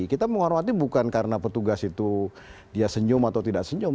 kita menghormati bukan karena petugas itu dia senyum atau tidak senyum